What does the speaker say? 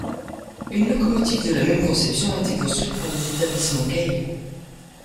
Une locomotive de la même conception a été construite par les établissements Cail.